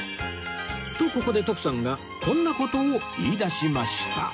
とここで徳さんがこんな事を言い出しました